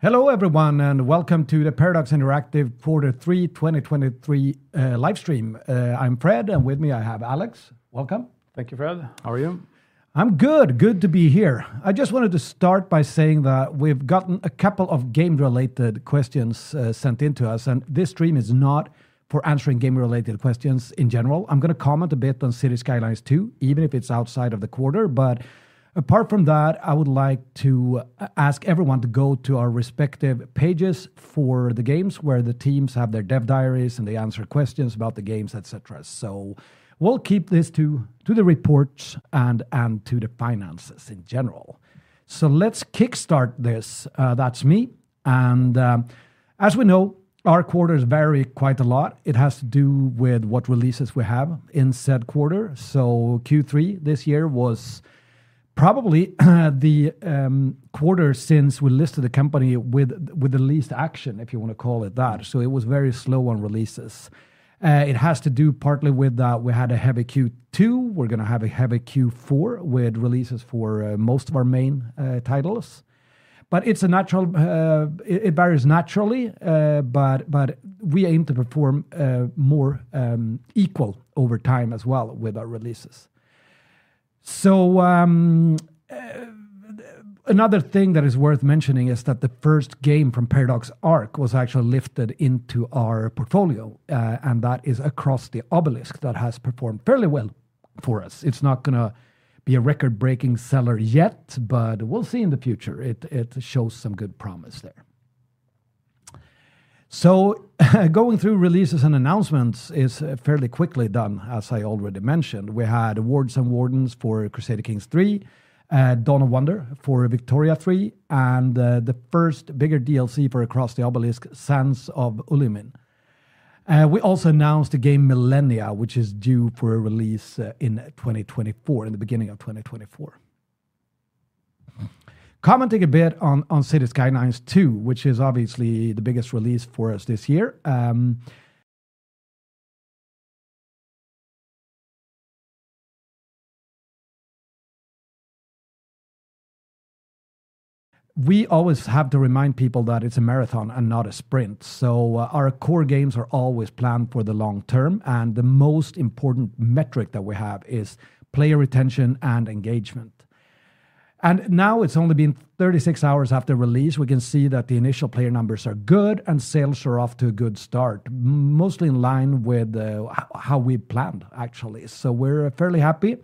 Hello, everyone, and welcome to the Paradox Interactive quarter three, 2023, live stream. I'm Fred, and with me, I have Alex. Welcome. Thank you, Fred. How are you? I'm good. Good to be here. I just wanted to start by saying that we've gotten a couple of game-related questions sent into us, and this stream is not for answering game-related questions in general. I'm gonna comment a bit on Cities: Skylines II, even if it's outside of the quarter. But apart from that, I would like to ask everyone to go to our respective pages for the games where the teams have their dev diaries, and they answer questions about the games, et cetera. So we'll keep this to the reports and to the finances in general. So let's kickstart this. That's me, and as we know, our quarters vary quite a lot. It has to do with what releases we have in said quarter. So Q3 this year was probably the quarter since we listed the company with the least action, if you wanna call it that. So it was very slow on releases. It has to do partly with that we had a heavy Q2. We're gonna have a heavy Q4 with releases for most of our main titles. But it's a natural. It varies naturally, but we aim to perform more equal over time as well with our releases. So another thing that is worth mentioning is that the first game from Paradox Arc was actually lifted into our portfolio, and that is Across the Obelisk, that has performed fairly well for us. It's not gonna be a record-breaking seller yet, but we'll see in the future. It shows some good promise there. So, going through releases and announcements is fairly quickly done. As I already mentioned, we had Wards & Wardens for Crusader Kings III, Dawn of Wonder for Victoria 3, and the first bigger DLC for Across the Obelisk: Sands of Ulminin. We also announced the game Millennia, which is due for a release in 2024, in the beginning of 2024. Commenting a bit on Cities: Skylines II, which is obviously the biggest release for us this year. We always have to remind people that it's a marathon and not a sprint, so our core games are always planned for the long term, and the most important metric that we have is player retention and engagement. Now it's only been 36 hours after release, we can see that the initial player numbers are good and sales are off to a good start, mostly in line with how we planned, actually. So we're fairly happy.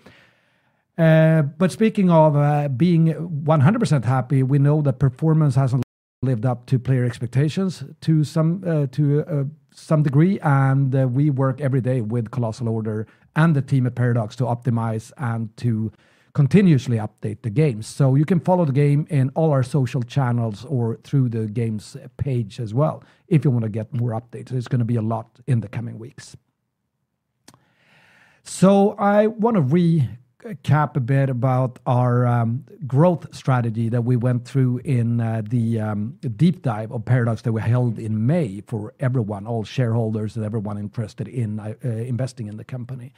But speaking of being 100% happy, we know that performance hasn't lived up to player expectations to some degree, and we work every day with Colossal Order and the team at Paradox to optimize and to continuously update the game. So you can follow the game in all our social channels or through the games page as well if you wanna get more updates. There's gonna be a lot in the coming weeks. So I wanna recap a bit about our growth strategy that we went through in the deep dive of Paradox that we held in May for everyone, all shareholders and everyone interested in investing in the company.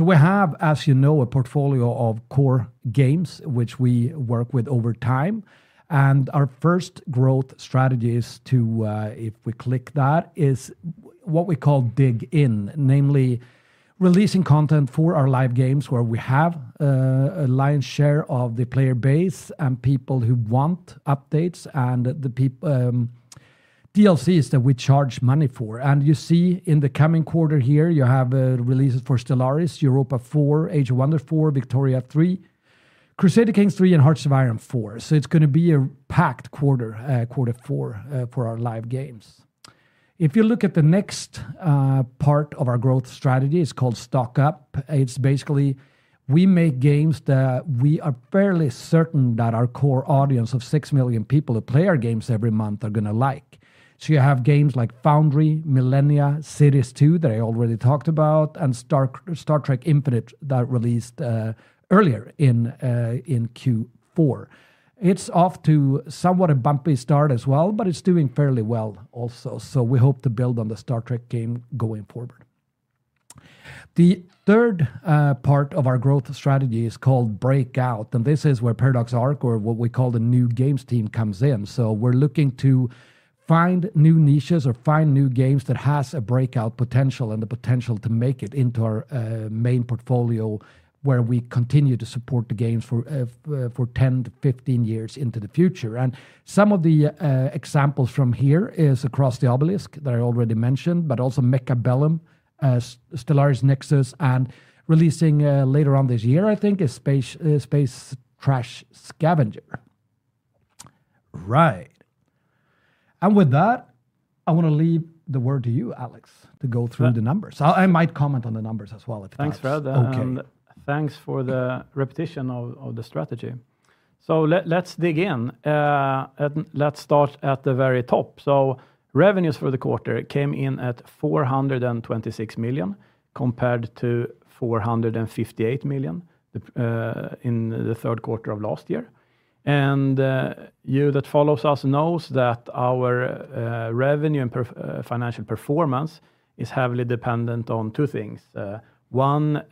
We have, as you know, a portfolio of core games which we work with over time, and our first growth strategy is to if we click that what we call Dig In. Namely, releasing content for our live games, where we have a lion's share of the player base and people who want updates and the DLCs that we charge money for. You see in the coming quarter here, you have releases for Stellaris, Europa IV, Age of Wonders 4, Victoria 3, Crusader Kings III, and Hearts of Iron IV. So it's gonna be a packed quarter, quarter four, for our live games. If you look at the next part of our growth strategy, it's called Stock Up. It's basically, we make games that we are fairly certain that our core audience of 6 million people who play our games every month are gonna like. So you have games like FOUNDRY, Millennia, Cities II, that I already talked about, and Star Trek: Infinite, that released earlier in Q4. It's off to somewhat a bumpy start as well, but it's doing fairly well also, so we hope to build on the Star Trek game going forward. The third part of our growth strategy is called Break-out, and this is where Paradox Arc, or what we call the new games team, comes in. So we're looking to find new niches or find new games that has a break-out potential and the potential to make it into our main portfolio, where we continue to support the games for 10-15 years into the future. And some of the examples from here is Across the Obelisk, that I already mentioned, but also Mechabellum, Stellaris Nexus, and releasing later on this year, I think, is Space Trash Scavenger. Right. And with that, I wanna leave the word to you, Alex, to go through the numbers. I, I might comment on the numbers as well if you like. Thanks, Fred. Okay. Thanks for the repetition of the strategy. So let's dig in, and let's start at the very top. So revenues for the quarter came in at 426 million, compared to 458 million in the third quarter of last year, and you that follows us knows that our revenue and financial performance is heavily dependent on two things. One,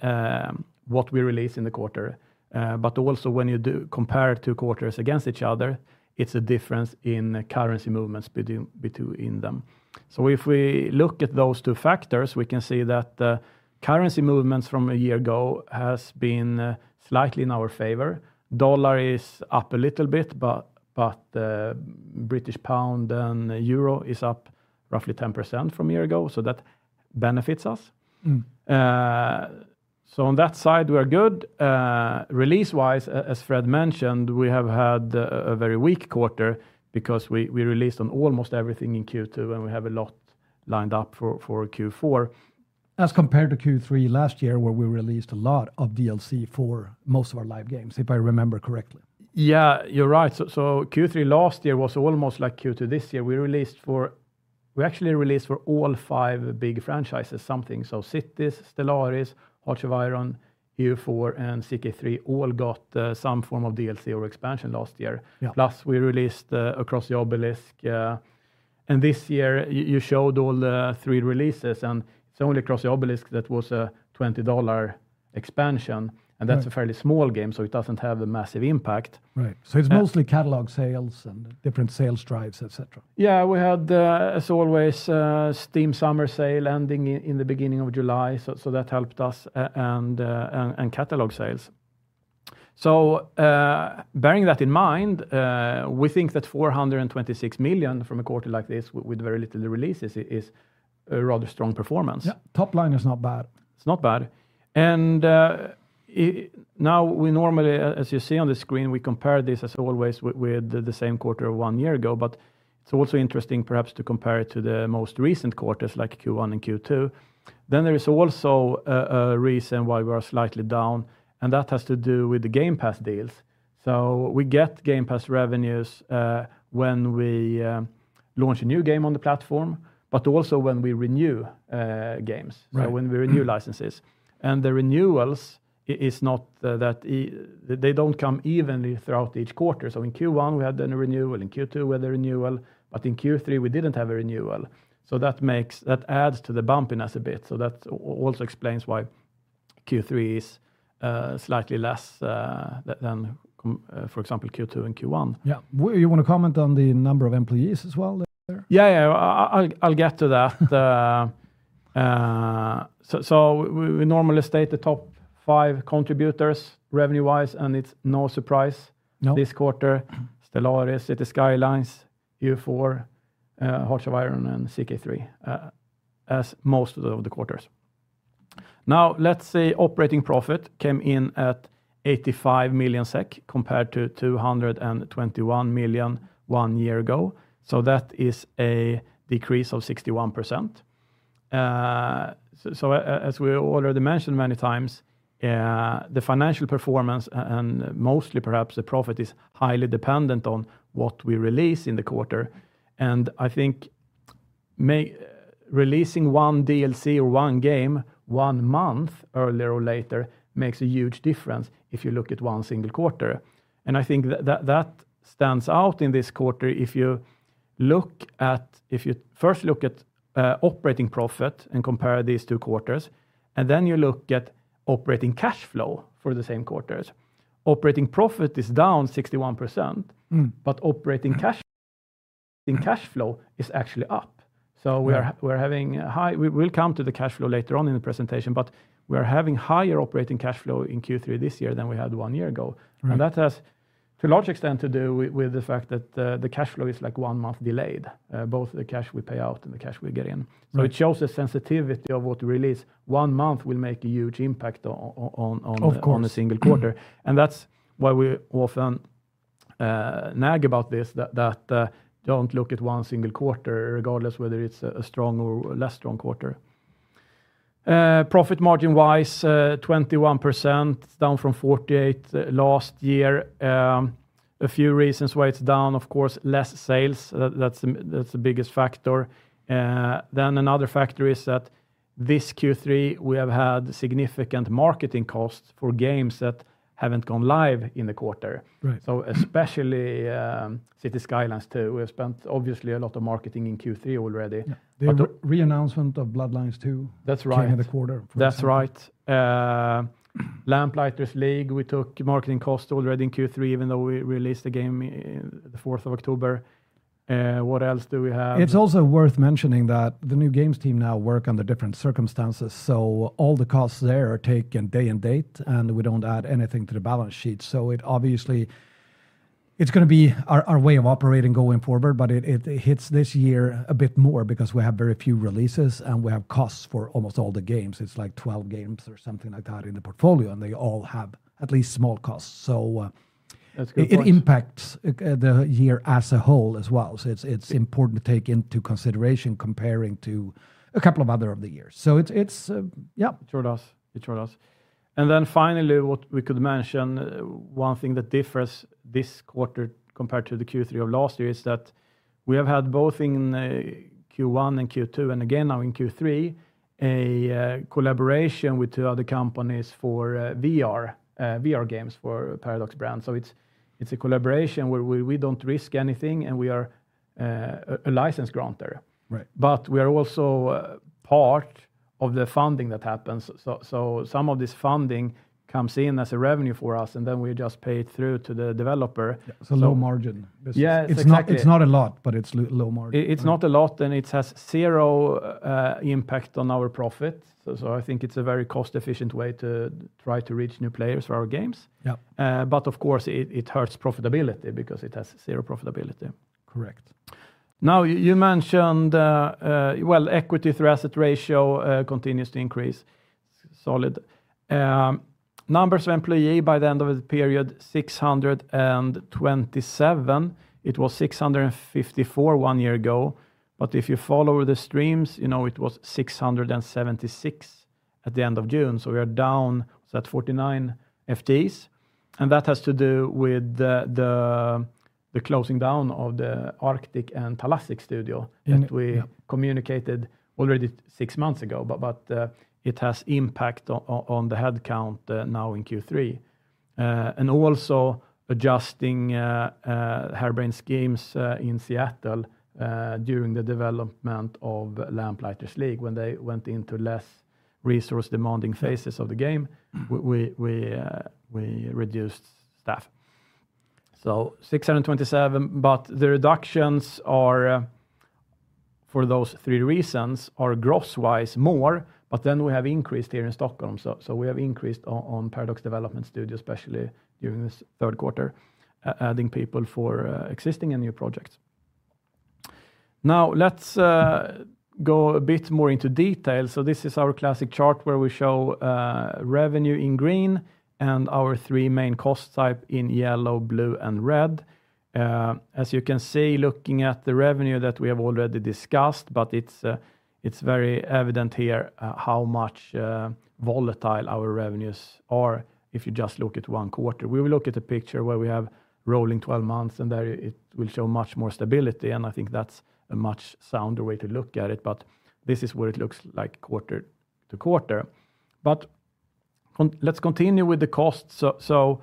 what we release in the quarter, but also when you do compare two quarters against each other, it's a difference in currency movements between them. So if we look at those two factors, we can see that the currency movements from a year ago has been slightly in our favor. dollar is up a little bit, but the British pound and euro is up roughly 10% from a year ago, so that benefits us. Mm. So on that side, we are good. Release-wise, as Fred mentioned, we have had a very weak quarter because we released on almost everything in Q2, and we have a lot lined up for Q4. As compared to Q3 last year, where we released a lot of DLC for most of our live games, if I remember correctly. Yeah, you're right. So, so Q3 last year was almost like Q2 this year. We released for, we actually released for all five big franchises, something. So Cities, Stellaris, Hearts of Iron, EU4, and CK3 all got some form of DLC or expansion last year. Yeah. Plus, we released Across the Obelisk, and this year, you showed all the three releases, and it's only Across the Obelisk that was a $20 expansion. Right. And that's a fairly small game, so it doesn't have a massive impact. Right. Yeah. It's mostly catalog sales and different sales drives, et cetera. Yeah. We had, as always, Steam Summer Sale ending in the beginning of July, so that helped us, and catalog sales. So, bearing that in mind, we think that 426 million from a quarter like this with very little releases is a rather strong performance. Yeah. Top line is not bad. It's not bad, and now, we normally as you see on the screen, we compare this, as always, with the same quarter of one year ago, but it's also interesting perhaps to compare it to the most recent quarters, like Q1 and Q2. Then there is also a reason why we are slightly down, and that has to do with the Game Pass deals. So we get Game Pass revenues, when we launch a new game on the platform, but also when we renew games. Right. So when we renew licenses. And the renewals is not, that they don't come evenly throughout each quarter. So in Q1, we had done a renewal, in Q2, we had a renewal, but in Q3, we didn't have a renewal, so that makes, that adds to the bumpiness a bit. So that also explains why Q3 is slightly less than, for example, Q2 and Q1. Yeah. Well, you wanna comment on the number of employees as well there? Yeah, yeah. I'll get to that. So we normally state the top five contributors, revenue-wise, and it's no surprise. No. This quarter. Stellaris, Cities: Skylines, EU4, Hearts of Iron, and CK3, as most of the quarters. Now, let's say operating profit came in at 85 million SEK, compared to 221 million, one year ago. So that is a decrease of 61%. So, as we already mentioned many times, the financial performance and mostly perhaps the profit is highly dependent on what we release in the quarter, and I think releasing one DLC or one game, one month earlier or later makes a huge difference if you look at one single quarter, and I think that stands out in this quarter if you look at, If you first look at operating profit and compare these two quarters, and then you look at operating cash flow for the same quarters. Operating profit is down 61%. Mm. But operating cash, cash flow is actually up. Yeah. So, we'll come to the cash flow later on in the presentation, but we are having higher operating cash flow in Q3 this year than we had one year ago. Right. That has, to a large extent, to do with the fact that the cash flow is like one month delayed, both the cash we pay out and the cash we get in. Right. It shows the sensitivity of what we release. One month will make a huge impact on. Of course. On a single quarter, and that's why we often nag about this, that don't look at one single quarter, regardless whether it's a strong or a less strong quarter. Profit margin-wise, 21%, down from 48% last year. A few reasons why it's down, of course, less sales, that's the biggest factor. Then another factor is that this Q3, we have had significant marketing costs for games that haven't gone live in the quarter. Right. So especially, Cities: Skylines II, we have spent obviously a lot of marketing in Q3 already. Yeah. But the. The re-announcement of Bloodlines 2. That's right Came in the quarter, for example. That's right. The Lamplighters League, we took marketing cost already in Q3, even though we released the game the 4th of October. What else do we have? It's also worth mentioning that the new games team now work under different circumstances, so all the costs there are taken day and date, and we don't add anything to the balance sheet. So it obviously, It's gonna be our way of operating going forward, but it hits this year a bit more because we have very few releases, and we have costs for almost all the games. It's like 12 games or something like that in the portfolio, and they all have at least small costs. So. That's a good point. It impacts the year as a whole as well. So it's important to take into consideration comparing to a couple of other of the years, so it's, yeah. True, yes. It's true, yes. And then finally, what we could mention, one thing that differs this quarter compared to the Q3 of last year, is that we have had, both in, Q1 and Q2, and again now in Q3, a collaboration with two other companies for, VR, VR games for Paradox brand. So it's, it's a collaboration where we, we don't risk anything, and we are a license grantor. Right. But we are also part of the funding that happens. So some of this funding comes in as a revenue for us, and then we just pay it through to the developer. Yeah, it's a low margin business. Yeah, exactly. It's not, it's not a lot, but it's low margin. It's not a lot, and it has zero impact on our profit. So, I think it's a very cost-efficient way to try to reach new players for our games. Yeah. But of course, it hurts profitability because it has zero profitability. Correct. Now, you mentioned, well, equity to asset ratio continues to increase. Solid. Numbers of employee by the end of the period, 627. It was 654 one year ago. But if you follow the streams, you know, it was 676 at the end of June, so we are down to at 49 FTEs, and that has to do with the closing down of the Arctic and Thalassic studio. Yeah. That we communicated already six months ago. But it has impact on the head count now in Q3. And also adjusting Harebrained Schemes in Seattle during the development of Lamplighters League. When they went into less resource-demanding phases of the game. Mm. We reduced staff. So 627, but the reductions are, for those three reasons, are gross-wise more, but then we have increased here in Stockholm. So we have increased on Paradox Development Studio, especially during this third quarter, adding people for existing and new projects. Now, let's go a bit more into detail. So this is our classic chart, where we show revenue in green and our three main cost type in yellow, blue, and red. As you can see, looking at the revenue that we have already discussed, but it's very evident here how much volatile our revenues are if you just look at one quarter. We will look at a picture where we have rolling 12 months, and there, it will show much more stability, and I think that's a much sounder way to look at it, but this is what it looks like quarter to quarter. Let's continue with the costs. So, so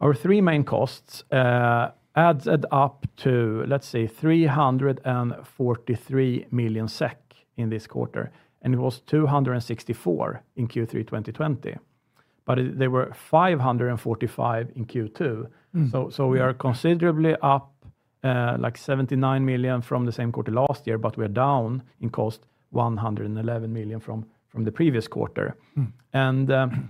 our three main costs adds it up to, let's say, 343 million SEK in this quarter, and it was 264 million in Q3 2020. But it, they were 545 million in Q2. Mm. So, we are considerably up, like 79 million from the same quarter last year, but we're down in cost 111 million from the previous quarter. Mm.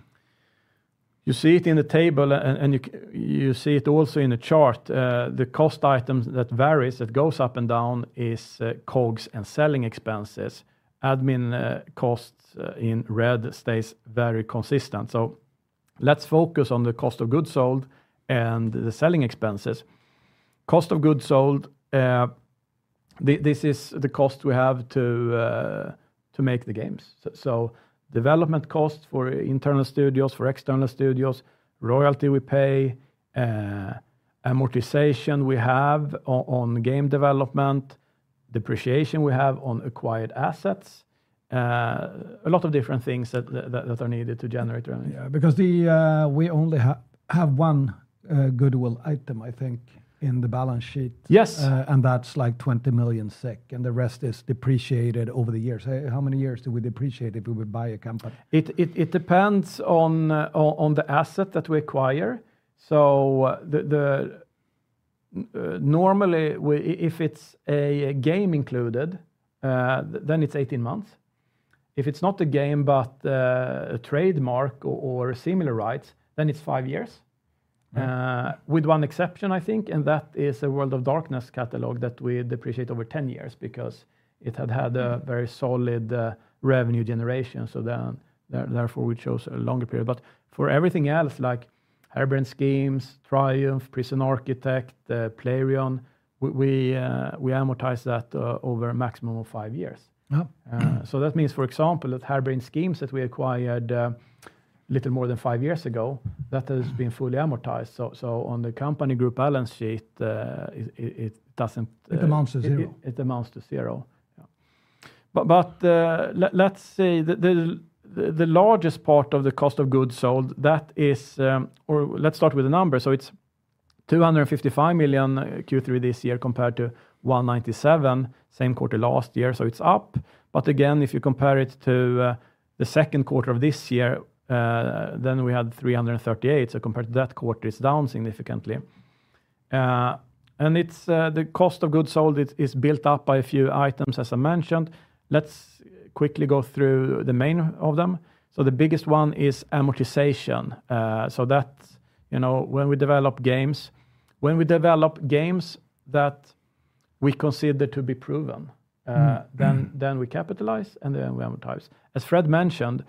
You see it in the table, and you see it also in the chart, the cost items that varies, that goes up and down is, COGS and selling expenses. Admin costs in red stays very consistent. So let's focus on the cost of goods sold and the selling expenses. Cost of goods sold, this is the cost we have to make the games. So development costs for internal studios, for external studios, royalty we pay, amortization we have on game development, depreciation we have on acquired assets. A lot of different things that are needed to generate revenue. Yeah, because we only have one goodwill item, I think, in the balance sheet. Yes. That's, like, 20 million SEK, and the rest is depreciated over the years. How many years do we depreciate if we would buy a company? It depends on the asset that we acquire. So normally, if it's a game included, then it's 18 months. If it's not a game, but a trademark or similar rights, then it's five years. Right. With one exception, I think, and that is the World of Darkness catalog that we depreciate over 10 years because it had had a very solid revenue generation, so therefore, we chose a longer period. But for everything else, like Harebrained Schemes, Triumph, Prison Architect, Playrion, we amortize that over a maximum of five years. Yeah. Mm-hmm. So that means, for example, that Harebrained Schemes that we acquired little more than five years ago, that has been fully amortized. So on the company group balance sheet, it doesn't. It amounts to zero. It amounts to zero. Yeah. But let's say the largest part of the cost of goods sold, that is, or let's start with the numbers. So it's 255 million, Q3 this year, compared to 197 million, same quarter last year, so it's up. But again, if you compare it to the second quarter of this year, then we had 338 million, so compared to that quarter, it's down significantly. And it's the cost of goods sold is built up by a few items, as I mentioned. Let's quickly go through the main of them. So the biggest one is amortization. So that's, you know, when we develop games, when we develop games that we consider to be proven. Mm. Then we capitalize, and then we amortize. As Fred mentioned,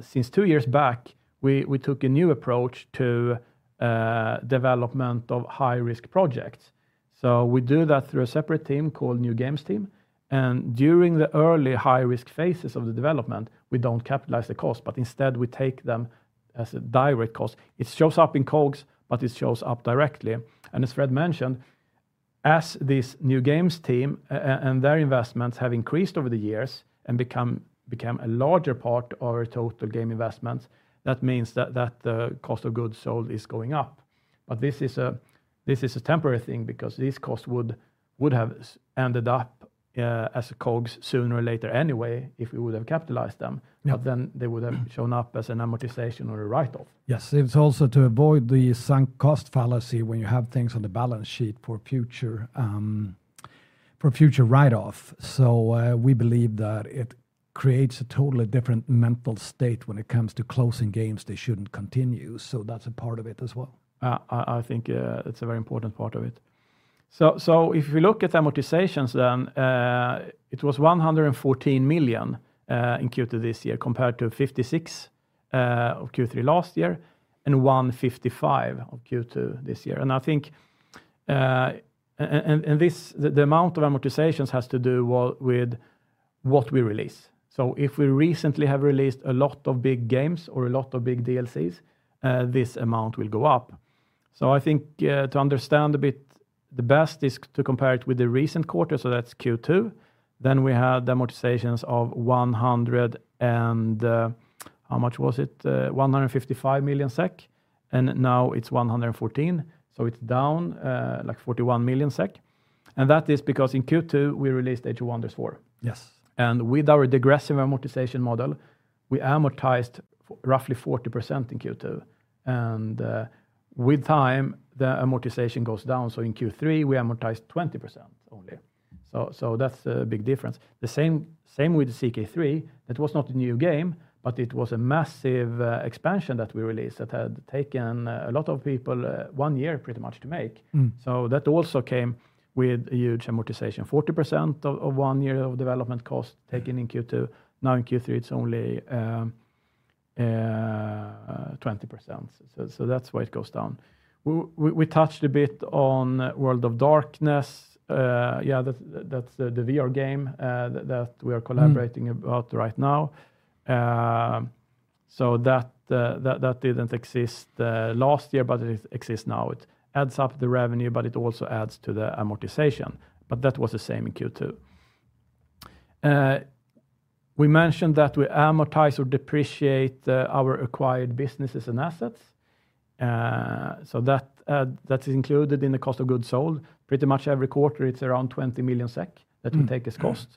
since two years back, we took a new approach to development of high-risk projects. So we do that through a separate team called new games team, and during the early high-risk phases of the development, we don't capitalize the cost, but instead, we take them as a direct cost. It shows up in COGS, but it shows up directly. And as Fred mentioned, as this new games team and their investments have increased over the years and become a larger part of our total game investments, that means that the cost of goods sold is going up, but this is a temporary thing because these costs would have ended up as a COGS sooner or later anyway if we would have capitalized them. Yeah. But then they would have shown up as an amortization or a write-off. Yes, it's also to avoid the sunk cost fallacy when you have things on the balance sheet for future, for future write-off. So, we believe that it creates a totally different mental state when it comes to closing games that shouldn't continue, so that's a part of it as well. I think it's a very important part of it. So if we look at amortizations, then it was 114 million in Q2 this year, compared to 56 million of Q3 last year, and 155 million of Q2 this year. And I think this, the amount of amortizations has to do with what we release. So if we recently have released a lot of big games or a lot of big DLCs, this amount will go up. So I think to understand a bit, the best is to compare it with the recent quarter, so that's Q2. Then we have the amortizations of 155 million SEK, and now it's 114 million, so it's down like 41 million SEK. That is because in Q2, we released Age of Wonders 4. Yes. With our degressive amortization model, we amortized roughly 40% in Q2, and with time, the amortization goes down. So in Q3, we amortized 20% only, so that's a big difference. The same, same with the CK3. That was not a new game, but it was a massive expansion that we released that had taken a lot of people one year, pretty much to make. Mm. So that also came with a huge amortization, 40% of one year of development costs taken in Q2. Now, in Q3, it's only 20%. So that's why it goes down. We touched a bit on World of Darkness. Yeah, that's the VR game that we are collaborating. Mm. About right now. So that didn't exist last year, but it exists now. It adds up the revenue, but it also adds to the amortization, but that was the same in Q2. We mentioned that we amortize or depreciate our acquired businesses and assets. So that is included in the cost of goods sold. Pretty much every quarter, it's around 20 million SEK SEK. Mm. That we take as cost.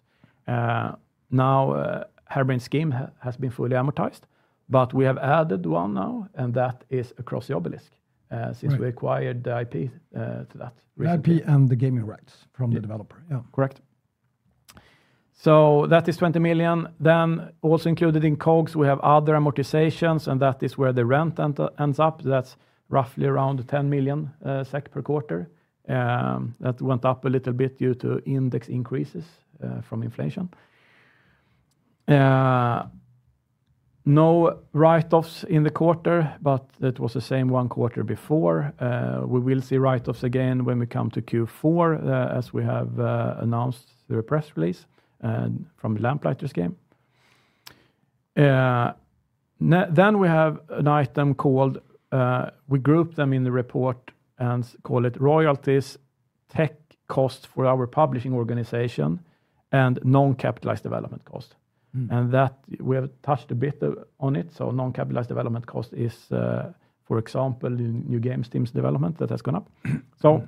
Now, Harebrained Schemes has been fully amortized, but we have added one now, and that is Across the Obelisk. Right. Since we acquired the IP, to that recently. The IP and the gaming rights from. Yeah The developer, yeah. Correct. So that is 20 million. Then, also included in COGS, we have other amortizations, and that is where the rent end ends up. That's roughly around 10 million SEK per quarter. That went up a little bit due to index increases from inflation. No write-offs in the quarter, but it was the same one quarter before. We will see write-offs again when we come to Q4, as we have announced through a press release, and from the Lamplighters game. Then we have an item called, we group them in the report and call it royalties, tech costs for our publishing organization, and non-capitalized development costs. Mm. That we have touched a bit on it. So non-capitalized development cost is, for example, the new games teams development that has gone up. So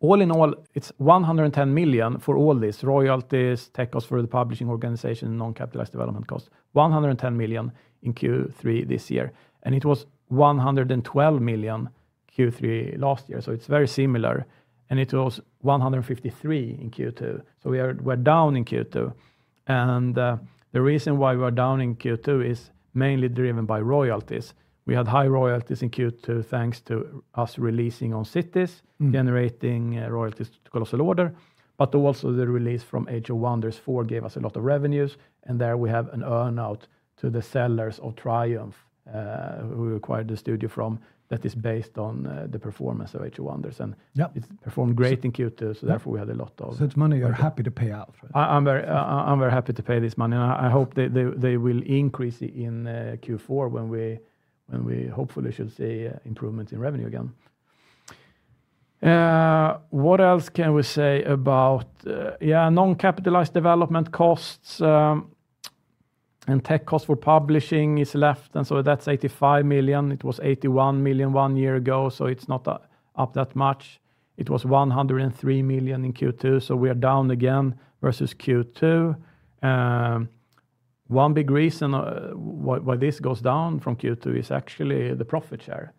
all in all, it's 110 million for all this, royalties, tech costs for the publishing organization, non-capitalized development costs, 110 million in Q3 this year, and it was 112 million Q3 last year, so it's very similar, and it was 153 million in Q2. So we're down in Q2, and the reason why we are down in Q2 is mainly driven by royalties. We had high royalties in Q2, thanks to us releasing on Cities. Mm. Generating royalties to Colossal Order, but also the release from Age of Wonders 4 gave us a lot of revenues, and there we have an earn-out to the sellers of Triumph, who we acquired the studio from, that is based on, the performance of Age of Wonders, and. Yep. It's performed great in Q2, so therefore, we had a lot of. It's money you're happy to pay out. I'm very happy to pay this money, and I hope that they will increase it in Q4, when we hopefully should see improvement in revenue again. What else can we say about. Yeah, non-capitalized development costs and tech costs for publishing is left, and so that's 85 million. It was 81 million one year ago, so it's not up that much. It was 103 million in Q2, so we are down again versus Q2. One big reason why this goes down from Q2 is actually the profit share.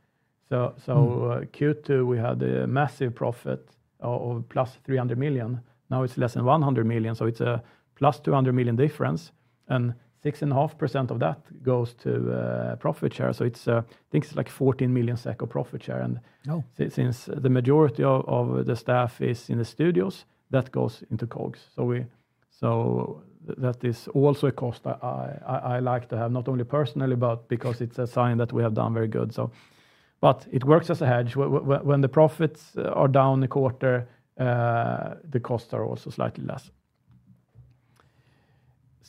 So. Mm. Q2, we had a massive profit of +300 million. Now, it's less than 100 million, so it's a +200 million difference, and 6.5% of that goes to profit share. So it's, I think it's like 14 million SEK of profit share, and. No. Since the majority of the staff is in the studios, that goes into COGS. So that is also a cost I like to have, not only personally, but because it's a sign that we have done very good, so. But it works as a hedge. When the profits are down a quarter, the costs are also slightly less.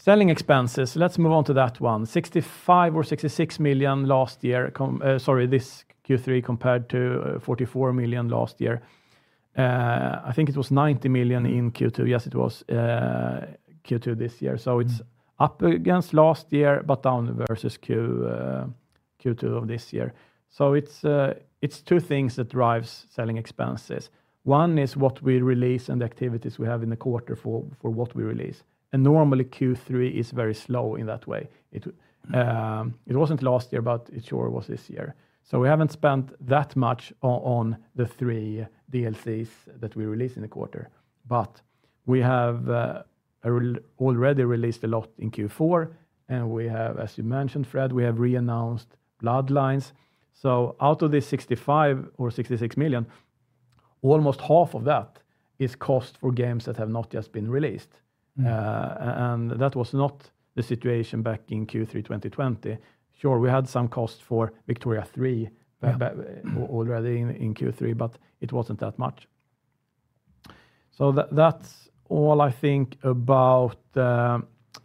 Selling expenses, let's move on to that one. 65 million or 66 million this Q3 compared to 44 million last year. I think it was 90 million in Q2. Yes, it was Q2 this year. So it's up against last year, but down versus Q2 of this year. So it's two things that drives selling expenses. One is what we release and the activities we have in the quarter for what we release. Normally, Q3 is very slow in that way. It wasn't last year, but it sure was this year. So we haven't spent that much on the three DLCs that we released in the quarter. But we have already released a lot in Q4, and we have, as you mentioned, Fred, we have reannounced Bloodlines. So out of the 65 million or 66 million, almost half of that is cost for games that have not yet been released. Mm. And that was not the situation back in Q3 2020. Sure, we had some cost for Victoria 3. Yeah. Already in Q3, but it wasn't that much. So that's all I think about,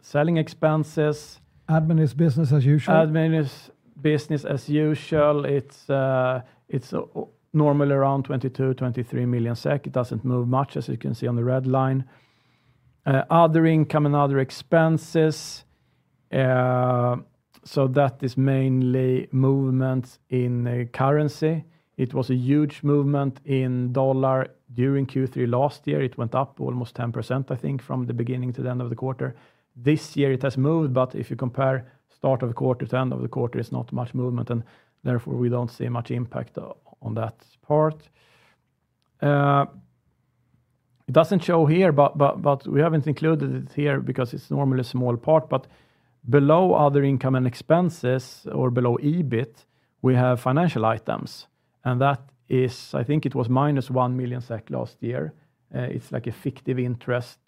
selling expenses. Admin is business as usual? Admin is business as usual. It's normal around 22 million-23 million SEK. It doesn't move much, as you can see on the red line. Other income and other expenses, so that is mainly movement in the currency. It was a huge movement in dollar during Q3 last year. It went up almost 10%, I think, from the beginning to the end of the quarter. This year, it has moved, but if you compare start of quarter to end of the quarter, it's not much movement, and therefore, we don't see much impact on that part. It doesn't show here, but we haven't included it here because it's normally a small part, but below other income and expenses or below EBIT, we have financial items, and that is, I think it was -1 million SEK last year. It's like effective interest,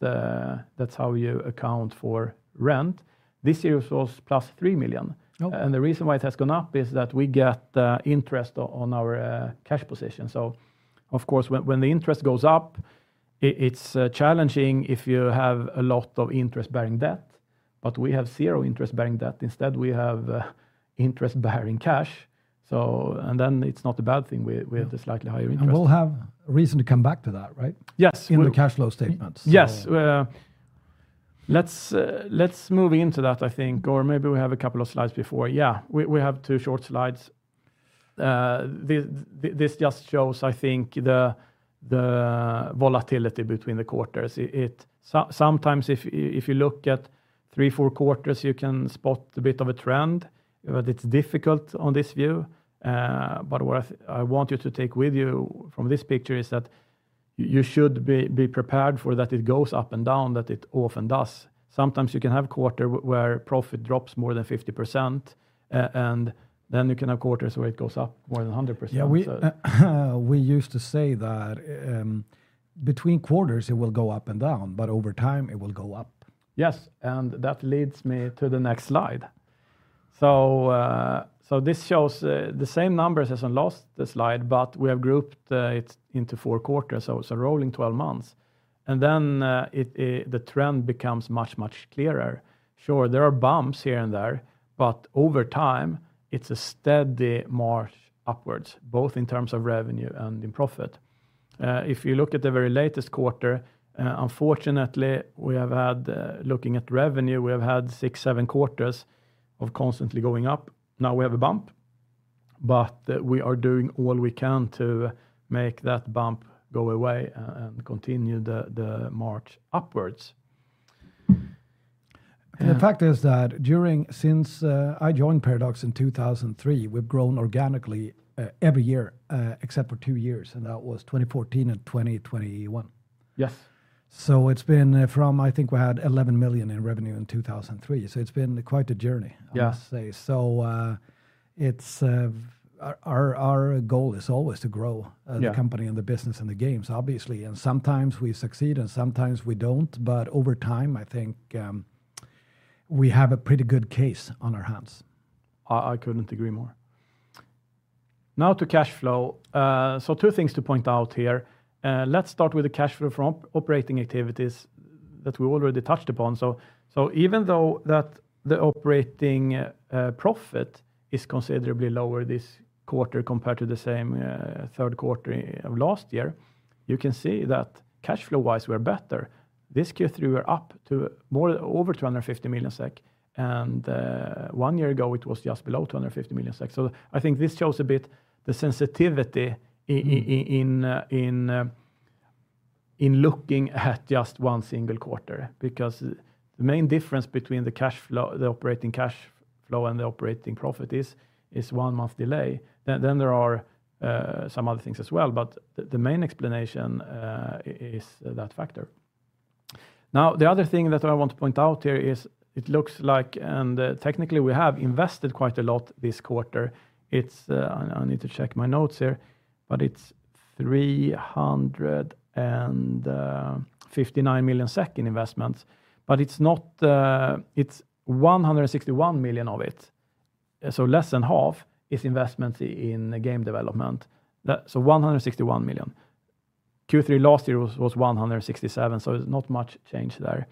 that's how you account for rent. This year it was +3 million. Oh. The reason why it has gone up is that we get interest on our cash position. So of course, when the interest goes up, it's challenging if you have a lot of interest-bearing debt, but we have zero interest-bearing debt. Instead, we have interest-bearing cash, so and then it's not a bad thing. Yeah. We have the slightly higher interest. We'll have a reason to come back to that, right? Yes. In. In the cash flow statements. Yes. Let's move into that, I think, or maybe we have a couple of slides before. Yeah, we have two short slides. This just shows, I think, the volatility between the quarters. So sometimes if you look at three, four quarters, you can spot a bit of a trend, but it's difficult on this view. But what I want you to take with you from this picture is that you should be prepared for that it goes up and down, that it often does. Sometimes you can have a quarter where profit drops more than 50%, and then you can have quarters where it goes up more than 100%. Yeah, we, we used to say that between quarters, it will go up and down, but over time, it will go up. Yes, and that leads me to the next slide. So, so this shows the same numbers as on the last slide, but we have grouped it into four quarters, so it's a rolling 12 months. And then, the trend becomes much, much clearer. Sure, there are bumps here and there, but over time, it's a steady march upwards, both in terms of revenue and in profit. If you look at the very latest quarter, unfortunately, we have had, looking at revenue, we have had six, seven quarters of constantly going up. Now, we have a bump, but we are doing all we can to make that bump go away and continue the march upwards. The fact is that since I joined Paradox in 2003, we've grown organically every year, except for two years, and that was 2014 and 2021. Yes. So it's been from I think we had 11 million in revenue in 2003. So it's been quite a journey. Yeah I must say. So, it's our goal is always to grow. Yeah. As a company and the business and the games, obviously. And sometimes we succeed and sometimes we don't, but over time, I think, we have a pretty good case on our hands. I couldn't agree more. Now to cash flow. So two things to point out here. Let's start with the cash flow from operating activities that we already touched upon. So even though the operating profit is considerably lower this quarter compared to the same third quarter of last year, you can see that cash flow-wise, we're better. This Q3, we're up to more, over 250 million SEK, and one year ago, it was just below 250 million SEK. So I think this shows a bit the sensitivity in looking at just one single quarter. Because the main difference between the cash flow, the operating cash flow and the operating profit is one month delay. Then there are some other things as well, but the main explanation is that factor. Now, the other thing that I want to point out here is it looks like, and technically, we have invested quite a lot this quarter. It's, I need to check my notes here, but it's 359 million SEK in investments. But it's not. It's 161 million of it, so less than half, is investment in game development. That, so 161 million. Q3 last year was 167 million, so it's not much change there.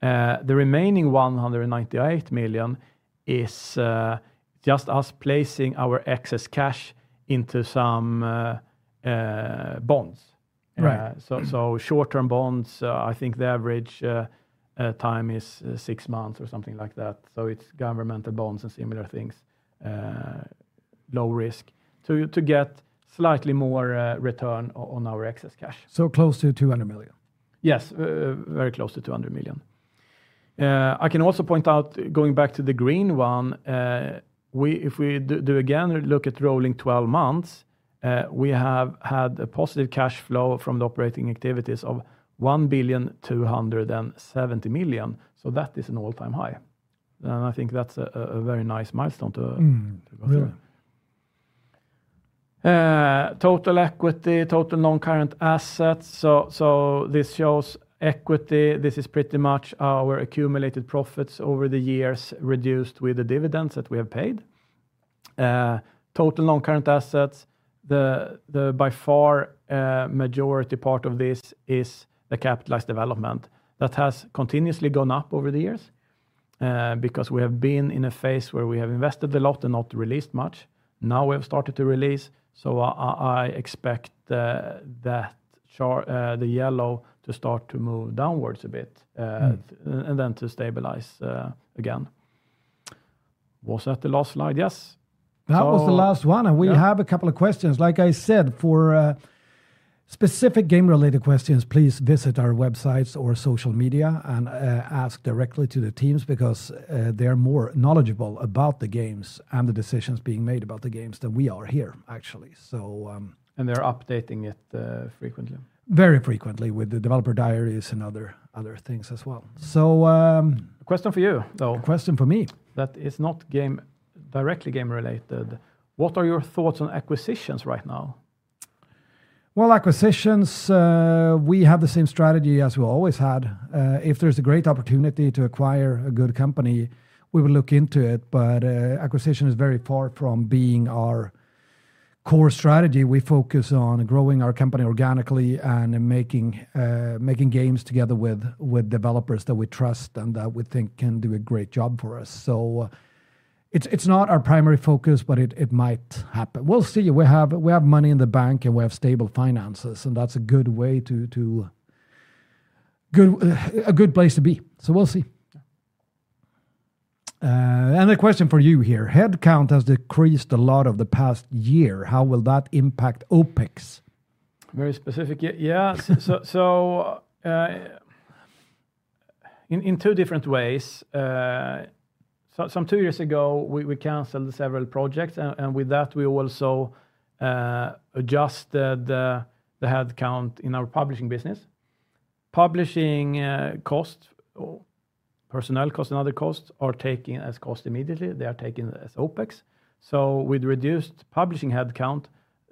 The remaining 198 million is just us placing our excess cash into some bonds. Right. So, short-term bonds, I think the average time is six months or something like that. So it's governmental bonds and similar things, low risk, to get slightly more return on our excess cash. So close to 200 million? Yes, very close to 200 million. I can also point out, going back to the green one, if we do again, look at rolling 12 months, we have had a positive cash flow from the operating activities of 1,270,000,000, so that is an all-time high. And I think that's a very nice milestone to. Mm. Yeah. Total equity, total non-current assets. So this shows equity. This is pretty much our accumulated profits over the years, reduced with the dividends that we have paid. Total non-current assets, the by far majority part of this is the capitalized development that has continuously gone up over the years, because we have been in a phase where we have invested a lot and not released much. Now, we have started to release, so I expect that chart, the yellow to start to move downwards a bit. Mm. And then to stabilize, again. Was that the last slide? Yes. So. That was the last one, and we. Yeah. Have a couple of questions. Like I said, for specific game-related questions, please visit our websites or social media and ask directly to the teams, because they're more knowledgeable about the games and the decisions being made about the games than we are here, actually. So. They're updating it frequently. Very frequently with the developer diaries and other, other things as well. So. Question for you, though. Question for me. That is not directly game-related. What are your thoughts on acquisitions right now? Well, acquisitions, we have the same strategy as we always had. If there's a great opportunity to acquire a good company, we will look into it, but acquisition is very far from being our core strategy. We focus on growing our company organically and making games together with developers that we trust and that we think can do a great job for us. So it's not our primary focus, but it might happen. We'll see. We have money in the bank, and we have stable finances, and that's a good way to a good place to be. So we'll see. Yeah. A question for you here: Headcount has decreased a lot over the past year. How will that impact OpEx? Very specific. Yeah. In two different ways. So some two years ago, we canceled several projects, and with that, we also adjusted the headcount in our publishing business. Publishing cost, or personnel cost and other costs are taken as cost immediately. They are taken as OpEx. So with reduced publishing headcount,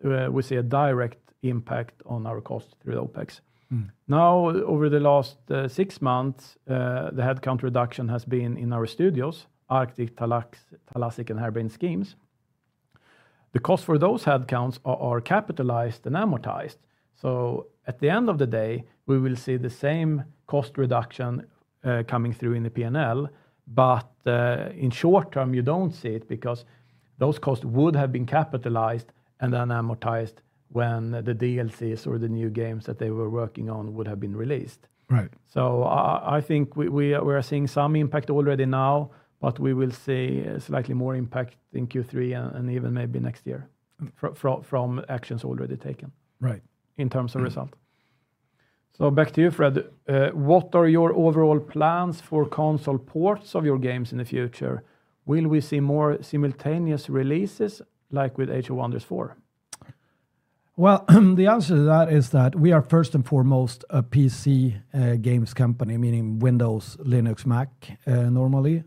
we see a direct impact on our cost through OpEx. Mm. Now, over the last six months, the headcount reduction has been in our studios: Tectonic, Thalassic, and Harebrained Schemes. The cost for those headcounts are capitalized and amortized, so at the end of the day, we will see the same cost reduction coming through in the P&L, but in short term, you don't see it because those costs would have been capitalized and then amortized when the DLCs or the new games that they were working on would have been released. Right. So I think we are seeing some impact already now, but we will see slightly more impact in Q3 and even maybe next year from actions already taken. Right. In terms of result. Mm. So back to you, Fred. What are your overall plans for console ports of your games in the future? Will we see more simultaneous releases, like with Age of Wonders 4? Well, the answer to that is that we are first and foremost a PC games company, meaning Windows, Linux, Mac, normally.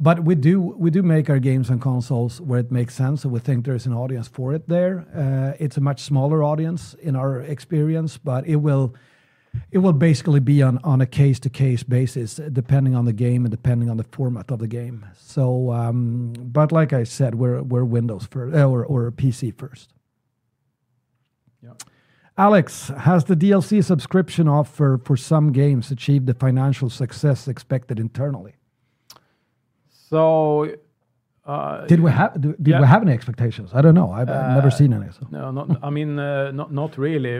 But we do make our games on consoles where it makes sense, and we think there is an audience for it there. It's a much smaller audience in our experience, but it will basically be on a case-to-case basis, depending on the game and depending on the format of the game. So, but like I said, we're Windows first or PC first. Yeah. Alex, has the DLC subscription offer for some games achieved the financial success expected internally? So, uh. Did we have. Yeah. Do we have any expectations? I don't know. I've. Uh. Never seen any, so. No, not. I mean, not really.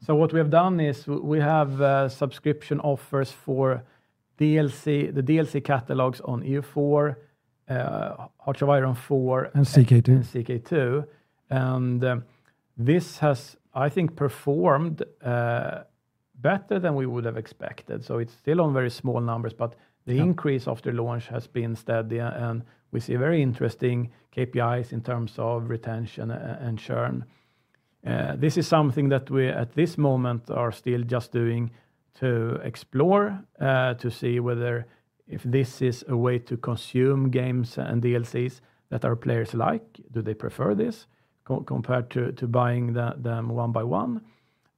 So what we have done is we have subscription offers for DLC, the DLC catalogs on EU4, Hearts of Iron IV. And CK2. And CK2. And, this has, I think, performed better than we would have expected. So it's still on very small numbers, but. Yeah. The increase after launch has been steady, and we see very interesting KPIs in terms of retention and churn. This is something that we, at this moment, are still just doing to explore, to see whether if this is a way to consume games and DLCs that our players like, do they prefer this compared to buying them one by one,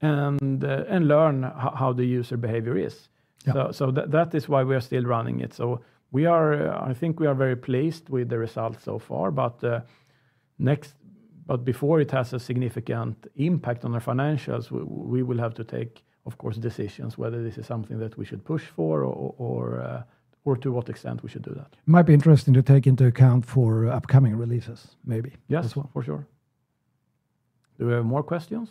and learn how the user behavior is? Yeah. So that is why we are still running it. So, I think we are very pleased with the results so far, but before it has a significant impact on our financials, we will have to take, of course, decisions whether this is something that we should push for or to what extent we should do that. It might be interesting to take into account for upcoming releases, maybe. Yes. As well. For sure. Do we have more questions?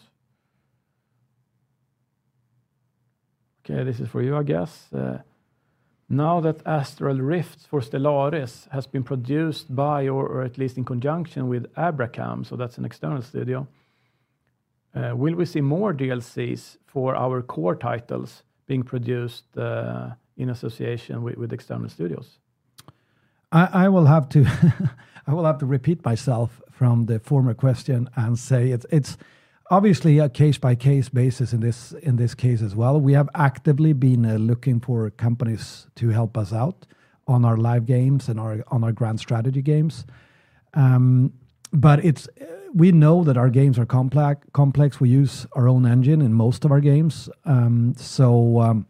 Okay, this is for you, I guess. "Now that Astral Planes for Stellaris has been produced by, or, or at least in conjunction with Abrakam," so that's an external studio, "will we see more DLCs for our core titles being produced in association with, with external studios? I will have to repeat myself from the former question and say it's obviously a case-by-case basis in this case as well. We have actively been looking for companies to help us out on our live games and on our grand strategy games. But it's, we know that our games are complex. We use our own engine in most of our games. So,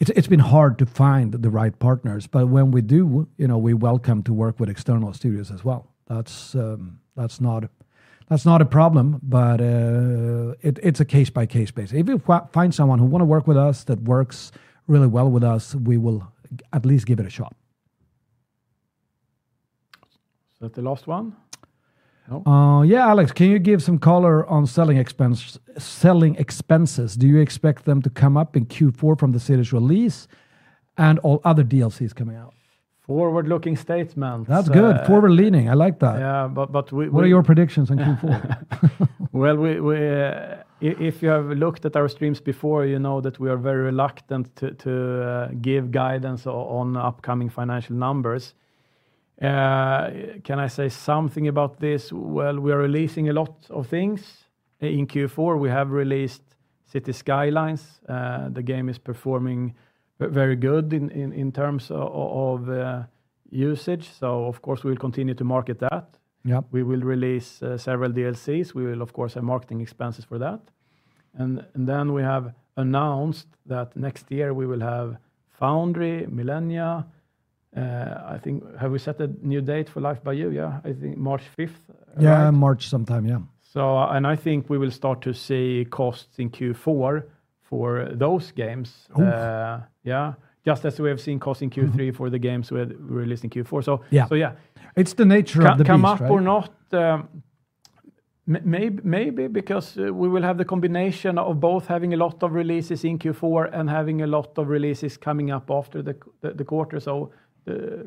it's been hard to find the right partners, but when we do, you know, we're welcome to work with external studios as well. That's not a problem, but it, it's a case-by-case basis. If we find someone who wanna work with us, that works really well with us, we will at least give it a shot. Is that the last one? Nope. Yeah, Alex, "Can you give some color on selling expenses? Do you expect them to come up in Q4 from the Cities release and all other DLCs coming out? Forward-looking statements. That's good. Forward-leaning, I like that. Yeah, but we. What are your predictions on Q4? Well, if you have looked at our streams before, you know that we are very reluctant to give guidance on upcoming financial numbers. Can I say something about this? Well, we are releasing a lot of things in Q4. We have released Cities: Skylines. The game is performing very good in terms of usage, so of course, we'll continue to market that. Yeah. We will release several DLCs. We will, of course, have marketing expenses for that. And, and then we have announced that next year we will have FOUNDRY, Millennia, I think. Have we set a new date for Life by You? Yeah, I think March 5th, right? Yeah, March sometime, yeah. I think we will start to see costs in Q4 for those games. Oof. Yeah, just as we have seen costs in Q3. Mm. For the games we released in Q4. So. Yeah. So yeah. It's the nature of the beast. Come up or not, maybe because we will have the combination of both having a lot of releases in Q4 and having a lot of releases coming up after the quarter. So, perhaps.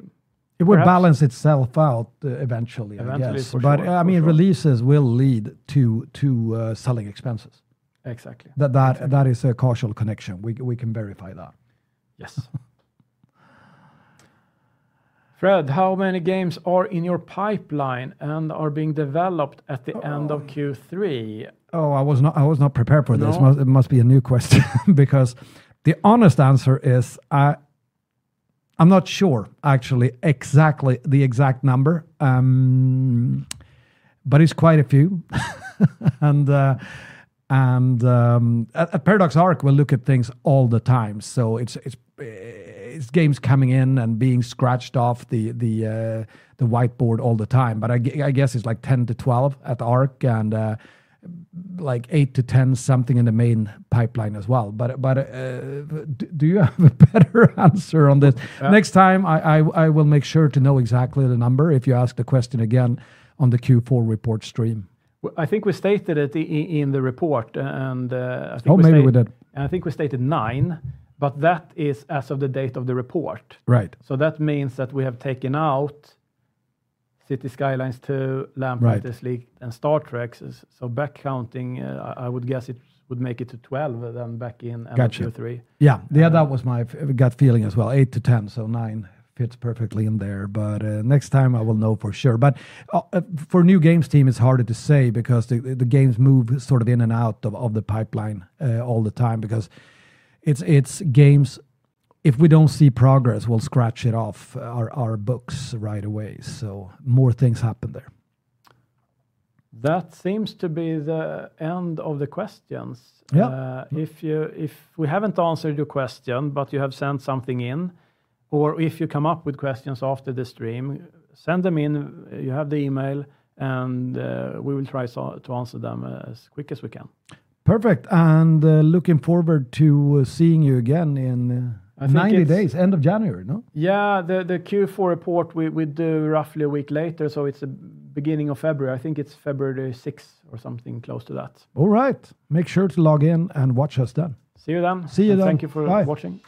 It will balance itself out, eventually. Eventually. I guess. For sure. But, I mean, releases will lead to selling expenses. Exactly. That is a causal connection. We can verify that. Yes. "Fred, how many games are in your pipeline and are being developed at the end of Q3? Uh-oh, I was not prepared for this. No? It must be a new question because the honest answer is, I'm not sure, actually, exactly the exact number. But it's quite a few. At Paradox Arc, we look at things all the time, so it's games coming in and being scratched off the whiteboard all the time. But I guess it's like 10-12 at Arc, and like 8-10, something in the main pipeline as well. But do you have a better answer on this? Uh. Next time, I will make sure to know exactly the number if you ask the question again on the Q4 report stream. Well, I think we stated it in the report, and I think we said. Oh, maybe we did. I think we stated nine, but that is as of the date of the report. Right. That means that we have taken out Cities: Skylines II. Right. Lamplighters League and Star Trek's. So back counting, I, I would guess it would make it to 12, then back in. Gotcha. Q3. Yeah. Yeah, that was my gut feeling as well, 8-10, so nine fits perfectly in there. But next time I will know for sure. But for new games team, it's harder to say because the games move sort of in and out of the pipeline all the time, because it's games, If we don't see progress, we'll scratch it off our books right away, so more things happen there. That seems to be the end of the questions. Yeah. If we haven't answered your question, but you have sent something in, or if you come up with questions after the stream, send them in. You have the email, and we will try to answer them as quick as we can. Perfect, and looking forward to seeing you again in. I think it's. 90 days, end of January, no? Yeah, the Q4 report, we do roughly a week later, so it's the beginning of February. I think it's February 6th or something close to that. All right. Make sure to log in and watch us then. See you then. See you then. And thank you for. Bye. Watching.